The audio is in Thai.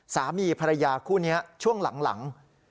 สามีภรรยาคู่นี้ช่วงหลัง